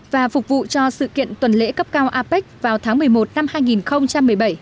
và phục vụ cho sự kiện tuần lễ cấp cao apec vào tháng một mươi một năm hai nghìn một mươi bảy